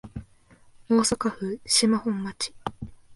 大阪府島本町